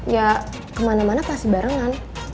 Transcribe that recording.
ya kemana mana pasti barengan